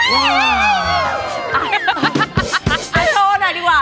เอาโชว์หน่อยดีกว่า